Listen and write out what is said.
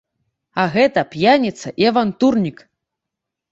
А гэта п'яніца і авантурнік.